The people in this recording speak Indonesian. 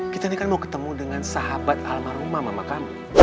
kita ini kan mau ketemu dengan sahabat almarhumah mama kami